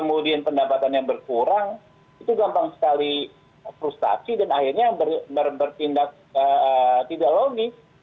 kemudian pendapatannya berkurang itu gampang sekali frustasi dan akhirnya bertindak tidak logis